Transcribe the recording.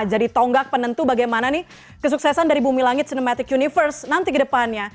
jadi tonggak penentu bagaimana nih kesuksesan dari bumi langit cinematic universe nanti kedepannya